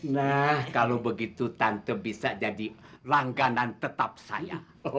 nah kalau begitu tante bisa jadi langganan tetap saya